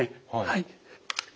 はい。